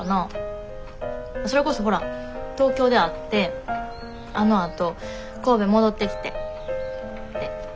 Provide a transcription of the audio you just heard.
それこそほら東京で会ってあのあと神戸戻ってきてで。